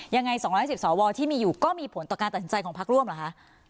ยังไง๒๑๐สวที่มีอยู่ก็มีผลต่อการตัดสินใจของพักร่วมเหรอคะ